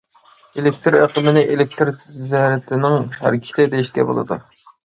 ئېلېكتىر ئېقىمىنى ئېلېكتىر زەرىتىنىڭ ھەرىكىتى دېيىشكە بولىدۇ.